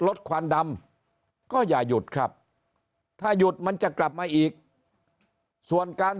ควันดำก็อย่าหยุดครับถ้าหยุดมันจะกลับมาอีกส่วนการ